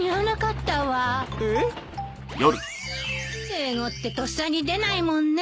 英語ってとっさに出ないもんねえ。